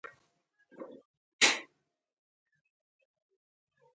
ثقل یو نړیوال ځواک دی.